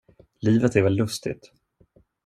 Livet är väl lustigt?